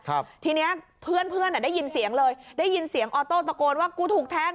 ทีเนี้ยเพื่อนเพื่อนอ่ะได้ยินเสียงเลยได้ยินเสียงออโต้ตะโกนว่ากูถูกแทง